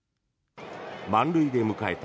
満塁で迎えた